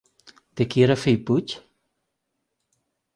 De qui era fill Puig?